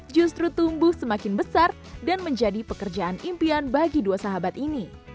justru tumbuh semakin besar dan menjadi pekerjaan impian bagi dua sahabat ini